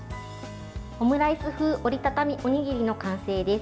オムライス風折りたたみおにぎりの完成です。